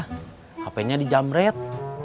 hp nya di jamret